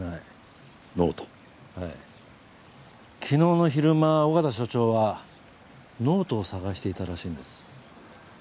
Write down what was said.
昨日の昼間緒方署長はノートを探していたらしいんです。